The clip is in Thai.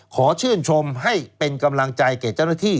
ขอชื่นชมให้เป็นกำลังใจแก่เจ้าหน้าที่